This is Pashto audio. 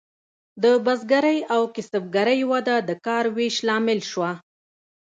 د بزګرۍ او کسبګرۍ وده د کار ویش لامل شوه.